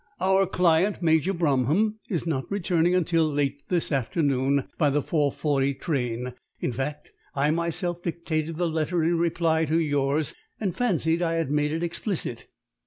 "Our client, Major Bromham, is not returning until late this afternoon by the four forty train, in fact. I myself dictated the letter in reply to yours, and fancied I had made it explicit."